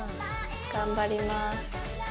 頑張ります。